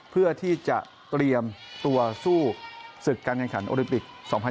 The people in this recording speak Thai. เพื่อที่จะเตรียมตัวสู้ศึกการแข่งขันโอลิมปิก๒๐๑๖